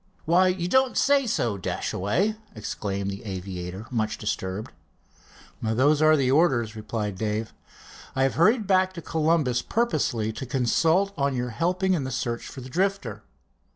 "Why, you don't say so, Dashaway?" exclaimed the aviator, much disturbed. "Those are the orders," replied Dave. "I have hurried back to Columbus purposely, to consult on your helping in a search for the Drifter."